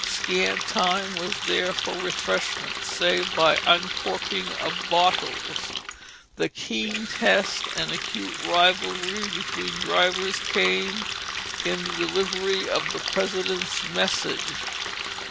Scant time was there for refreshment, save by uncorking of bottles. The keen test and acute rivalry between drivers came in the delivery of the President's Message.